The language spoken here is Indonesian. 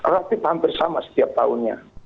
relatif hampir sama setiap tahunnya